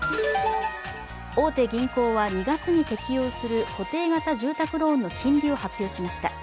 大手銀行は２月に適用する固定型住宅ローンの金利を発表しました。